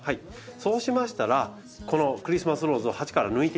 そうしましたらこのクリスマスローズを鉢から抜いて。